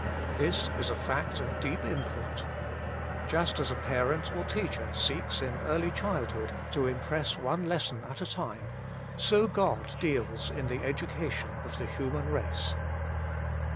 This is a fact of deep import. Just as a parent or teacher seeks, in early childhood, to impress one lesson at a time, so God deals in the education of the human race.